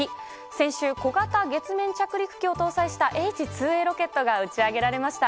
先週、小型月面着陸機を搭載したＨ２Ａロケットが打ち上げられました。